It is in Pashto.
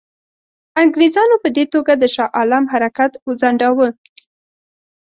انګرېزانو په دې توګه د شاه عالم حرکت ځنډاوه.